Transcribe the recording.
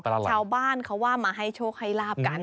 ชาวบ้านเขาว่ามาให้โชคให้ลาบกัน